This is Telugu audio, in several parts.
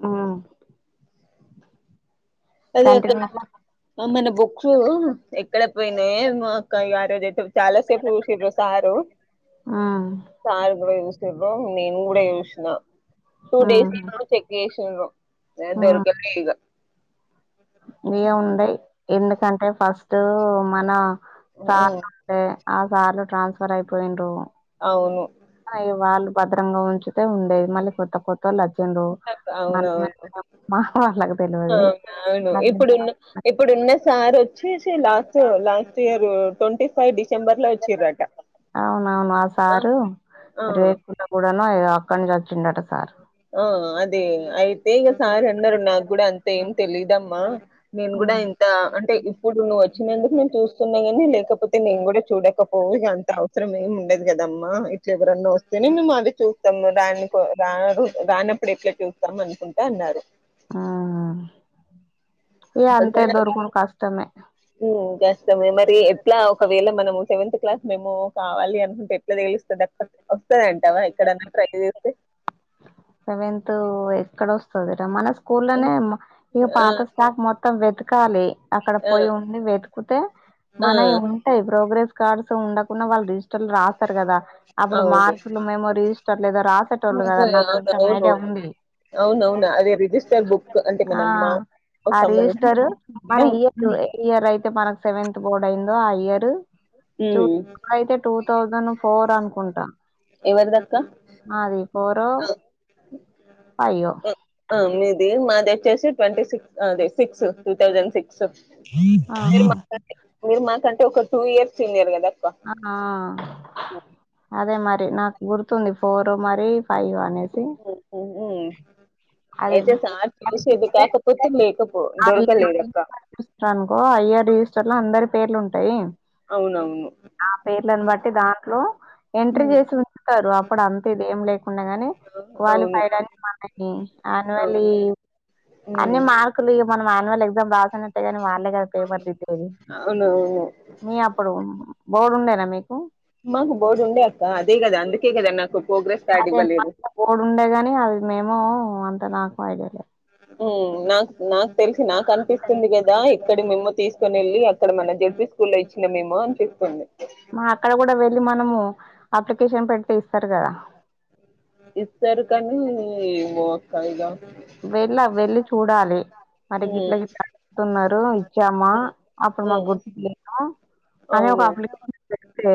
మ్మ్ ఏం కంటిన్యూ మన్నా బుక్స్ ఎక్కడ పోయినాయె ఏమో అక్క యా రోజు అయితే చాలా సేపు చూసిండ్రు సారు మ్మ్ నేను కూడా చూసిన టూ డేస్ మ్మ్ ఏమో చెక్ చేసిను ఆ దొరకలే ఇంకా ఇగ ఉండాయి ఎందుకంటే ఫస్ట్ మన మ్మ్ ఆ సార్లు ఉండే ఆ సారు ట్రాన్స్ఫర్ అయిపోయిండు అవును అయి వాళ్ళు భద్రంగా ఉంచితే ఉండే మళ్ళా కొత్త కొత్త కొత్తళ్ళు వచ్చిండు మ అవునవును మా వాళ్ళకు తెలియదు ఇప్పుడు ఉన్న సార్ వచ్చేసి last last year twenty five డిస్ అవునవును ఆ సారు ఆ రేకుండా కూడాను అ అక్కడ నుంచి వ వచ్చిండంటా సార్ ఓ అది అయితే ఇక సార్ అన్నారు నాకు కూడా అంత ఏం తెలిదమ్మా నేను కూడా ఇంత అంటే ఇప్పుడు నువ్వు వచ్చినందుకు నేను చూస్తున్నా కాని లేకపోతే నేను కూడా చూడాక పోవు ఇగ అంటావు అవసరం ఏమి ఉండదు కదమ్మా ఇట్ల ఎవరన్నా వస్తేనే మేము అది చూస్తాము రాని కో రా రానప్పుడు ఎట్లా చూస్తాం అనుకుంటా అన్నారు మ్మ్ ఇగ అంత దొరుకుడు కష్టమే మ్మ్ కష్టమే మరి ఎట్లా ఒకవేళ మనము సెవెంత్ క్లాస్ మేమో కావాలి అనుకుంటే ఎట్లా తెలుస్తాది అక్క వస్తాయ అంటవా ఎక్కడన్నా ట్రై చేస్తే హ సెవెంత్ ఎక్కడ వస్తాది రా మన స్కూల్లోనే ఇక ఆ పాత స్టాక్ మొత్తం వెతకాలి అక్కడ ఆ పోయి ఉండి వెతుకుతే ఆ మనవి ఉంటాయి ప్రోగ్రెస్ కార్డ్స్ ఉండకుండా వాళ్ళు రిజ రాస్తారు కదా అప్పుడు అవును మార్కులు మేమో రిజిస్టర్ లేదో రాసేటోళ్ళు కదా నా అవును అవునవును అదే రిజిస్టర్ బుక్ అంటే ఆ మనమ్మ ఆ రిజిస్టర్ మన ఇయర్ ఏ ఇయర్ అయితే మనకు సెవెంత్ బోర్డు అయిందో ఆ ఇయరు చూ హ్మ్ అయితే టూ థౌజండ్ ఫోర్ అనుకుంటా ఎవరిదక్క నాది ఫోరో అవున అయ్యో మ్మ్ మీది మాది వచ్చేసి ట్వంటీ సిక్స్ అదే six two thousand six so మీరు ఆహా మా కంటే మీరు మా కంటే ఒక టూ ఇయర్స్ సీనియర్ కదా అక్క ఆ అదే మా నాకు గుర్తుంది ఫోరో మరి ఫైవ్ అనేది ఉ ఊ అది అయితే సార్ అది చూసేది చూస్తే కాకపోతే మేకపు ఆ ఇయర్ దొరకలేదిక అనుకో ఐ ఆర్ రిజిస్టర్ లో అందరి పేర్లు ఉంటయి. అవునవును ఆ పేర్లను బట్టి దాంట్లో ఎంట్రీ హ్మ్ చేసి ఉంచుతారు అప్పుడు అంత ఇదేం లేదు ఉండేగని అవును క్వాలిఫైడ్ అని అన్ని అవును అన్యువల్లీ ఉమ్. అన్ని మార్కులు ఇగ మనం ఆన్యువల్ ఎగ్జామ్ రాస్ న్నట్టే గని వాళ్ళే కదా పేపర్ దిద్దేది, అవునవును మీ అప్పుడు బోర్డు ఉండేనా మీకు మాకు బోర్డు ఉండే అక్క, అదే కదా అందుకే కదా నాకు ప్రోగ్రెస్ కార్డ్ అదేం మా ఇవ్వలేదు బోడు ఉండేగాని అది మేమో అంత నాకు ఐడియా లేదు. ఊ నాకు నాకు తెలిసి నాకు అనిపిస్తుంది కదా, ఇక్కడి మెమో తీస్ కొనెళ్లి అక్కడ మన జడ్ పి స్కూల్లో ఇచ్చినమేమో అనిపిస్తుంది. మా అక్కడ కూడా వెళ్ళి మనము అప్లికేషన్ పెట్టి ఇస్తారు కదా. ఇస్తరు కనీ ఊక ఇద. వెళ్ళ వెళ్ళి చూడాలి. మరి గిట్ల గిట్లా అంటూన్నారు ఇచ్చామా అప్పుడు మాక్ గుర్తులేదు. అని ఒక అవును అప్లికేషన్ పెడితే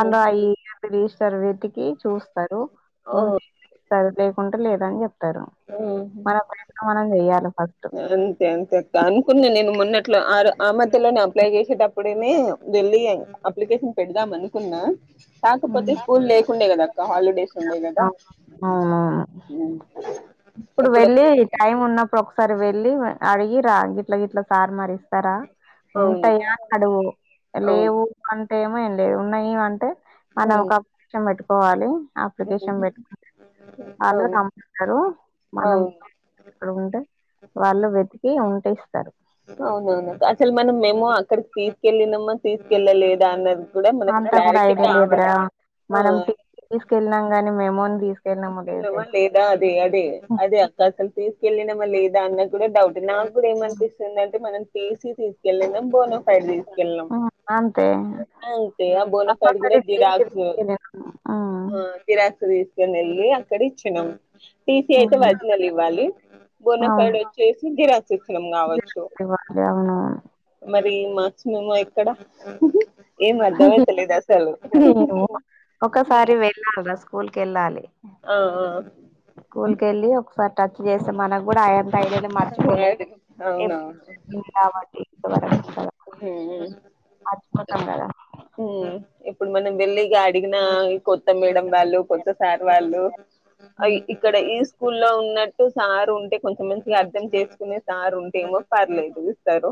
ఉమ్, రిజిస్టర్ వెతికి చూస్తరు ఆ, ఉంటేమో ఇస్తరు, లేకుంటే లేదని చెప్తరు. ఉమ్. మన ప్రయత్నం మనం చెయాలె ఫస్ట్. అంతే అంతే అ అనుకున్న నేను మొన్నే ట్లో ఆ ఆ మధ్యలోనే అప్లై చేసేటప్పుడేనే వెళ్ళి అప్లికేషన్ పెడదాం అనుకున్నా. కాకపోతే స్కూల్ లేకుండే కదా. ఇంకా హాలిడేస్ ఉండే కదా. అవును అవునవును ఇప్పుడు ఎప్పుడో వెళ్లి టైం ఉన్నప్పుడు ఒకసారి వెళ్ళి అడిగి రా, గిట్ల గిట్లా సారు మరి స్తారా అవును ఉంటాయా అడూ అవును లేవు అంటేమో ఏం లేదు, ఉన్నాయి అంటే మనం హ్మ్ ఒక అప్లికేషన్ పెట్టుకోవాలి, అప్లికేషన్ హ్మ్ పెట్టుకుం ఆళ్లు అవును [unintelligible] మనం అవును అంటే వాళ్ళు వెతికి ఉంటే ఇస్తారు. అవునవును యాక్చువల్లీ మనం మెమో అక్కడికి తీసుకెళ్లినమా లేదా అన్నది. కూడా మనకి అంతా కూడా క్లారిటీ ఐడియా లేదురా కావాలి, ఆ మనం టీ తీసుకెళ్ళినాం గాని మెమోని తీసుకెళ్ళినామో లేదో తెల్వదు లేదా అదే అదే అదే అక్క అసలు తీసుకెళ్లినమ లేదా అన్నది కూడా డౌట్ నాకు కూడా ఉ ఏమనిపిస్తుంది అంటే టీ సి తీసుకెళ్లినం బోనాఫైడ్ తీసుకెళ్లినం ఉమ్ అంతే అంతే ఆ బోనఫైడ్ కూడా కంపల్సరీ టీసీ జిరాక్సు తీసుకెళ్ళినాము ఆ ఉమ్ జిరాక్స్ తీసుకొని వెళ్లి అక్కడిచ్చినం, టీ సీ అయితే వరిజినల్ ఉమ్ ఇవ్వాలి. అవును బోనఫైడు వచ్చేసి జిరాక్స్ తీసుకున్నాం కావచ్చు, విరాళాలు ఇవ్వాలి అవునవును మరి మా చినమో ఎక్కడ ఏం అర్థమైతలేదు అసలు ఒకసారి వెళ్ళాల్రా స్కూల్కి కెళ్ళాలి. ఆ ఆ స్కూల్ కెళ్ళి ఒకసారి టచ్ చేస్తే మనకు కూడా ఆయ తైలని మరచపోలేదు అది ఎప్ అవునవును [unintelligible] ఉహు ఊ ఇప్పుడు మనం వెళ్లి గా అడిగిన కొత్త మేడం వాళ్ళు, కొత్త సార్ వాళ్ళు అయి ఉమ్, ఇక్కడ ఈ స్కూల్లో ఉన్నట్టు సార్ ఉంటే కొంచెం మంచిగా అర్థం చేసుకునే సార్ ఉంటేమో పర్లేదు ఇస్తారు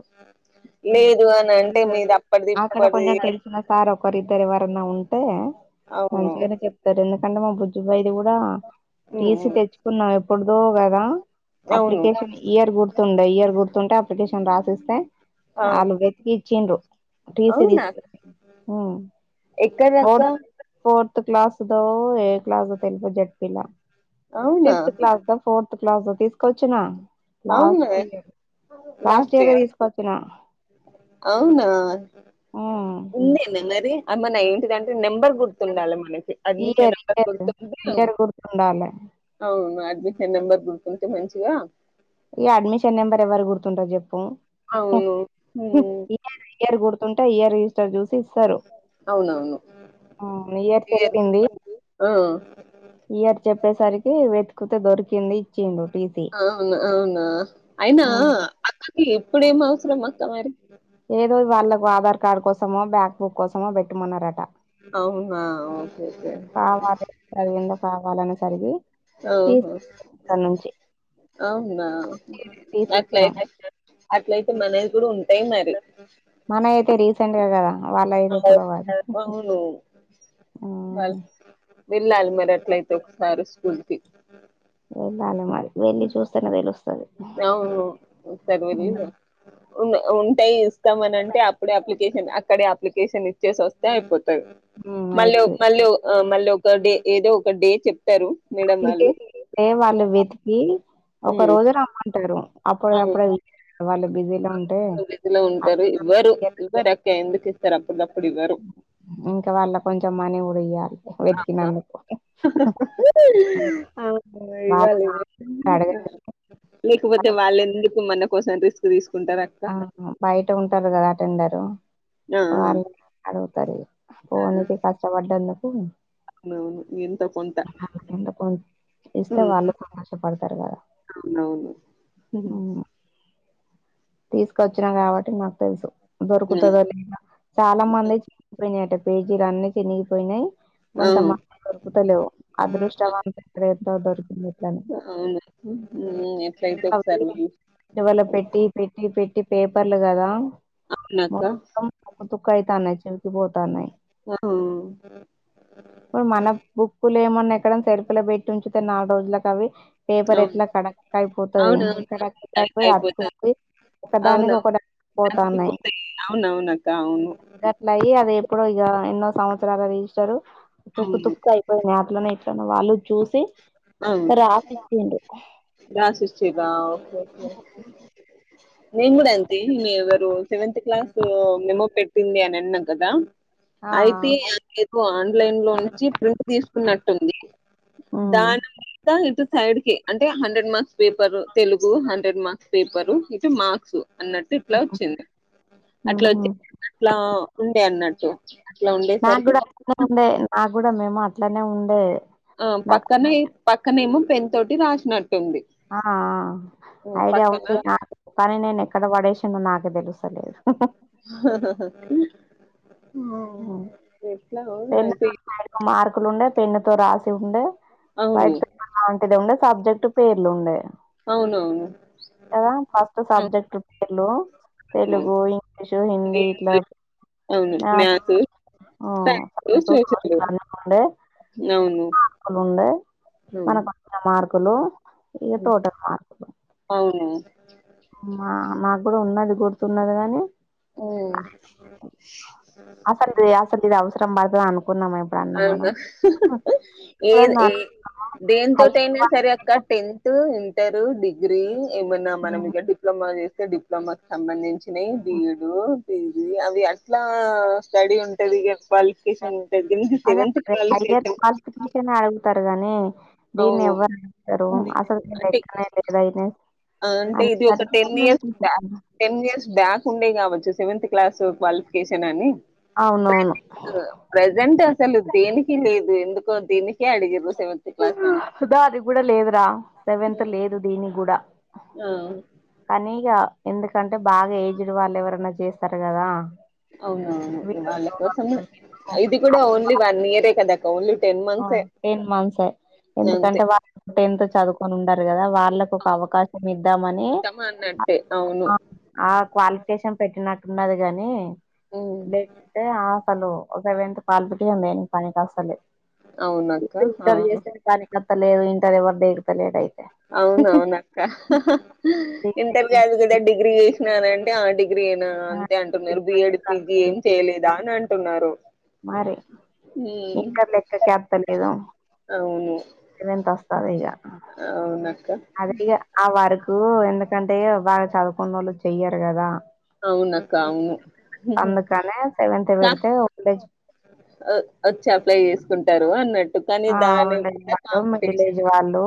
ఉమ్. లేదు అని అంటే మీదప్పటిది అక్కడ ఇప్పటిది కొంచెం తెలిసిన సార్ ఒకరిద్దరు ఎవరన్నా ఉంటే అవును మంచిగానే చెప్తారు ఎందుకంటే మా బుజ్జుబాయిది కూడా తీసి ఉమ్ తెచ్చుకున్నాం ఎప్పుడుదో కదా అవును అప్లికేషన్ ఇయర్ గుర్తుండ ఇయర్ గుర్తుంటే అప్లికేషన్ రాసిస్తే ఆ వాళ్ళు వెతికి ఇచ్చిండ్రు టీసీ అవునా తీసుకు ఉమ్ ఎక్కడి దాక ఫిఫ్త్ క్లాస్ దో ఏ క్లాస్ ఓ తెల్వదు జెడ్ పి ల అవునా ఫిఫ్త్ క్లాస్ ఆ ఫోర్త్ తీసుకొచ్చనా అవునా లాస్ట్ ఇయర్ లాస్ట్ ఇయరే తీసుకొచ్చిన అవునా ఉమ్ ఉందే నన్నరి అందునా ఏంటి దంటే నెంబర్ గుర్తుండాలి మనకి అందుకే ఇయర్ నంబర్ ఇయర్ గుర్తుంటే ఇయర్ గుర్తుండాలే అవును ఆ నెంబర్ గుర్తుంటే మంచిగా ఇగ అడ్మిషన్ నెంబర్ ఎవ్వరు గుర్తుంటాది చెప్పు అవును ఉమ్ ఇయర్ ఇయర్ గుర్తుంటే ఈయర్ రిజస్టర్ చూసి సరు అవునవును ఆ ఇయర్ చెప్పింది ఆ ఇయర్ చెప్పేసరికి వెతికితే దొరికింది ఇచ్చిండు టీసీ ఆ అవునా అయినా ఉమ్ ఎప్పుడు ఏమ్ అవసరం అక్క మరి ఏదో వాళ్ళకు ఆధార్ కార్డ్ కోసమో బ్యాక్ బుక్ కోసమో పెట్ట మన్నారట అవునా ఓ కావాలి అది ఎంతో కావాలనే సరికి ఓహో అవునా తీసిచ్చినాం అట్లయితే అట్లయితే మనది కూడా ఉం చెయ్ మరి మన అయితే రీసెంట్ గా కదా వాళ్ళ అయితే ఎప్పుడో కాదు అవును ఆహా వేల్ళాలి మరి అట్లయితే ఒకసారి స్కూల్ కి వెళ్ళాలి మరి వెళ్లి చూస్తేనే తెలుస్తది అవును సర్వ [unintelligible] ఉంటాయి ఇస్తాం అని అంటే అప్పుడే అప్లికేషన్ అక్కడే అప్లికేషన్ ఇచ్చేసి వస్తే అయిపోతది ఉమ్ మళ్ళ అయితది మళ్ళ మళ్ళ ఒక డే ఏదో ఒక డే చెప్తారు మేడం వాళ్ళు అప్లికేషన్ ఇస్తే వాళ్ళు వెతికి ఒక రోజు రమ్మంటారు అప్పుడదప్పుడే వాళ్ళు బిజీలో ఉంటే బిజీ లో ఉంటారు ఇవ్వరు ఇవ్వరు అక్క ఎందుకు తరపు [unintelligible] ఇంకా వాళ్ళ కొంచెం మనీ కూడా ఇయ్యాలి వెతికినందుకు అవునా వాళ్ళ ఇవాలి సాయం అడగ లేకపోతే వాళ్ళెందుకు మన కోసం రిస్క్ తీసుకు ఆహా బయట ఉంటారు కదా అటెండరు ఆ ఆ. వాళ్ళ అడుగుతారు పోనీ లే కష్టపడ్డ అవునువును ఎంతో కొంత ఎంత కొంత ఇస్తే వాళ్ళు ఉమ్, సంతోషపడతారు కదా అవునవును తీసుకచ్చ వచ్చ కాబట్టి నాకు తెలుసు దొరుకుతుందో లేదా చాలా మంది చేపోయినట [unintelligible] పేజలన్ని చినిగి పోయినయి ఆ దొరుకుతలేవు అదృష్టంత ఎడ ఎంతో దొరికిందిట్లనే [unintelligible] మ్ ఎట్లయితే ఒకసారి పోయి నిల్వలో పెట్టి, పెట్టి పెట్టి పేపర్లు కదా అవునక్క మొత్తం తుక్కతుకైతానయ్ పోతనాయి మ్ ఇప్పుడు మన బుక్కులు ఏమన్నా ఎక్కడ సెలుపుల పెట్టి ఉంచుతే నాలుగు రోజులకు అవి పేపర్ ఎట్లా కడ కైపోతది అవునవును కడక్ కరెక్ట్ అయిపో అయిపోతు అతుక్కపోయి అవును అతికి పోతయి అవునవును గట్లయి అవి ఎప్పుడో ఇగ ఎన్నో సంవత్సరాల రిజిస్టార్ తుక్కు అవును తుక్కు అయిపోయినాయి ఇట్లనే ఇట్లనే వాళ్ళు చూసి రాసిచిండ్రు రాసి ఇచ్చిళ్ళ ఒకే ఒకే నేను కూడా అంత మీ ఎవరు సెవెంతత్ క్లాస్ మెమో పెట్టింది అని అన్నా కదా ఆ ఐతే అది ఏదో ఆన్లైన్లోంచి ప్రింట్ తీసుకున్నట్టుంది ఉమ్ దానమీద ఇటు సైడ్ కి అంటే hundred marks paper Telugu hundred marks paper ఇటు మార్క్స్ అన్నట్టు ఇట్లా వచ్చింది మ్ అట్లా హు వచ్చి అట్లా ఉండే అన్నట్టు అట్లా ఉండేసరికి ఇగ మేము అట్లానే ఉండే ఆ నాకు పక్కన పక్కనేమో పెన్ తోటి రాసినట్ ఆ ఆ ఐడియా పక్కన ఉంది నా కానీ నేను ఎక్కడ పడేసి న్నో నాకే తెలుస్తాలేదు ఆాా ఉమ్ ఆ పెన్ను తో రాసి ఉండే అవును వైట్ పేపర్ లాంటిది ఉండే సబ్జెక్ట్ పేర్లు ఉండే అవునవును ఆ ఫస్ట్ సబ్జెక్ట్ పేర్లు తెలుగు ఇంగ్లీషు హిందీ ఇట్లా అవును మ్యాస్ ఆ అవును [unintelligible] అవును మనకు వచ్చిన మార్కులు ఇగ టోటల్ మార్కులు మా మక్కుడా ఉన్నది గుర్తున్నది గాని మ్ అసలు ఇది అసలు ఇది అవసరం పడతది అనుకున్నామా ఎప్పుడన్నా మనం? అవున ఏ ఎప్పుడన్నా ఏ అనుకున్నామా? హైయెస్ట్ దేనితోటైనా సరే అక్కడ క్వాలిఫికేషన్ టెన్త్ ఇం ారు డిగ్రీ ఏమన్నా మనం ఇగ హ్మ్. డిప్లొమా చేస్తే డిప్లొమాకిి సంబంధించినవి బిఎడ్ పిజి అవి అట్లా స్టడీ ఉంటది కా అదే మరి హైయర్ క్వాలిఫికేషన్ క్యాలిఫికేషన్ అడుగుతారు గానీ దీన్ని అవును ఎవ్వరు అడుగుతరు ఉంది అసలు అంటే లెక్కనే లేదయిన్ ఆ అంటే ఇది ఒక ten years back ten years back ఉండే కావచ్చు సెవెంత్ త్ క్లాస్ క్వాలిఫికేషన్ అని అవునవును ప్రజెంట్ ప్రజెంట్ అసలు దేనికి లేదు ఎందు కో దినికే అడిగిర్రు సెవెంత్ క్లాస్ అని దానికి కూడా లేదురా సెవెంత్ లేదు దీనికి కూడా ఆ ఆ ఎందుకంటే బాగా ఏజ్డ్ వాళ్ళు ఎవరైనా చేస్తారు కదా అవునవును వీళ్ళు వాళ్ళ కోసం ఇది కూడా ఓన్లీ వాన్ ఇయరే కదాక ఓన్లీ టెన్ ఆ మంత్సే ఎయిట్ మంత్సే అంతే ఎందుకంటే వా ఎంతో చదువుకొని ఉండరు కదా వాళ్ళకు ఒక అవకాశం ఇద్దామని నట్టే అ ఆ క్వాలిఫికేషన్ పెట్టినట్టున్నది గాని ఉమ్, లేకుంటే ఆ అసలు ఒక వింత పాల్పుకి దేనికి పనికొస్తలే అవునక్క ఇప్పుడు ఇంటరు అవును చేస్తేనే పనికొత్తలేదు ఇంటర్ ఎవరు దేకుతలేదయ్ అవునవును అక్క ఇంటర్ గాదు కదా డిగ్రీ చేసినానంటే ఆ డిగ్ గ్రీనా ఆ, అంతే ఇది అంటున్నారు అంటే బిఎడి నాకు పిజీ ఏం చేయలేదా అని అంటున్నారు మరి ఉమ్, ఇంటర్ లెక్క కెప్తల్లేదేమో అవును ఇవి ఎంత వస్తదిగ అవునక్క అది ఆ వరకూ ఎందు కంటే బాగా చదువుకున్న వాళ్ళు చెయ్యారు కదా అవునక్క అవును అందుకనే సెవెత్ వెడితే కా- ఓల్డేజ్ వచ్చి అప్లై చేసుకుంటారు అన్న ఆ ఉండే వాళ్ళు మిడిల్ ఏజ్ వాళ్ళు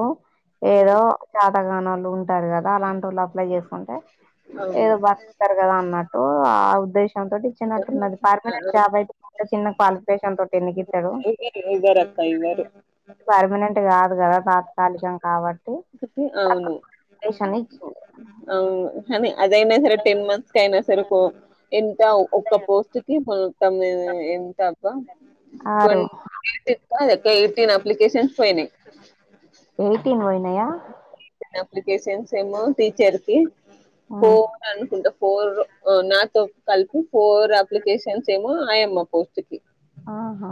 ఉమ్ ఏదో చేతగాన్ ళ్ళు ఉంటారు కదా అలాంటి వాళ్ళు అప్లై చేసుకుంటే అవ్ ఏదో బతుకుతరు కదా అన్నట్టు ఆ ఉద్దేశంతోటి ఇచ్చినట్టు ఉన్నది పర్మనెంట్ జాబ్ అయితే చిన్న క్వాలిఫికేషన్ తోటి ఎందుకు ఇత్తడు ఇవ్వరు ఇవ్వరు అక్క ఇవ్వరు పర్మనెంట్ కాదు కదా తాత్కాలికం కాబట్టి కాబట్టి తకు అవును కేషన్ని ఇచ్చిది అవును కానీ అదైనా సరే టెన్ మంత్స్కైన సరిపోవు ఇంత ఒక్క పోస్ట్ కి తమ్ మీద ఎంత అక్క వన్ ఆరు ఎయిటిన్ కదే ఎయిటీన్ అప్లికేషన్స్ పోయినయ్ ఎయిటీన్ పోయినయ అప్లికేషన్స్ ఏమో టీచర్కి ఆ ఫోర్ అనుకుంటా ఫోర్ నాతో కలిపి ఫోర్ అప్లికేషన్స్ ఏమో అయమ్మా పోస్ట్ కి ఆహా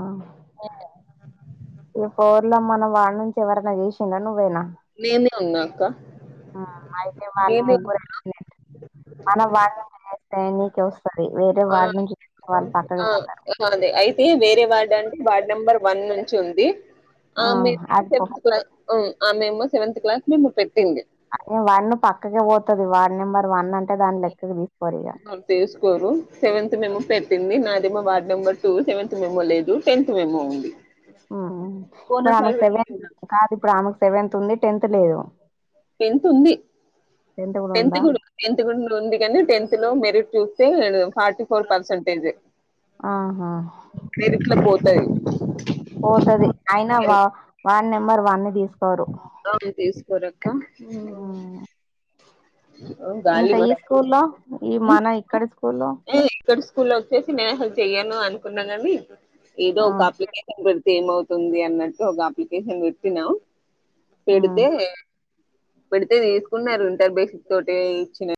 ఈ ఫోర్లో మనం వాళ్ళ నించి ఎవరనా జేసిండా నువ్వేనా నేనే ఉన్న అక్క మ్ అయితే వాళ్ళు నేనే ముగ్గురు ఉన్నా అగినీయంట మనం వాళ్ళని అయితే నీకే వస్తది వేరే ఆ వార్డ్ నుంచి తీసిన వాళ్ళు పక్కకి ఆ పెడతారు ఆ అదే అయితే వేరే వార్డ్ అంటే వార్డ్ నెంబర్ వన్ నుంచి ఉంది ఆ మీ అది పో క్లా ఆ మేము సెవెంత్ క్లాస్ మేము పెట్టింది అ వన్ పక్కకె పోతది వార్డ్ నెంబర్ వన్ అంటే దాని లెక్కకు దీస్ అ తీసుకోరు సెవెంత్ మేము పెట్టింది నా మా ward number two seventh memo లేదు టెన్త్ మెమో ఉంది మ్ ఇప్పుడు బోనస్ ఫైవ్ ఆమెకు సెవెన్ పెట్టింది కాదు ఇప్పుడు ఆమెకు సెవెంత్ ఉంది టెన్త్ లేదు టెన్త్ ఉంది టెన్త్ కూడా టెన్త్ గూడ ఉంది కాని టెన్త్ లో మెరిట్ చూస్తే ఫార్టీ ఫోర్ పర్సంటేజే ఆహా సరే ఇవ్ పోతది అయినా వా వా నెంబర్ వన్ దీసుకోరు అవును తీసుకోరక్క మ్ ఓ గాలిమ ఈ మ్ మన ఇక్కడ స్కూల్లో ఏయ్ ఇక్కడ స్కూల్ ఒచ్చేసి నేను హెల్ప్ చెయ్యాను అను కున్న కనీ ఏదో ఆ ఒక అప్లికేషన్ పెడితే ఏమవుతుంది అన్నట్టు ఒక అప్లికేషన్ పెట్టిన ఉమ్. పెడితే పెడితే వేసుకున్నారు ఇంటర్బేసిక్ తోటె ఇచ్చిన